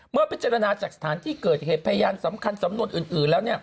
เมื่อพิจารณาจากสถานที่เกิดเหตุพยานสำคัญสำนวนอื่นแล้ว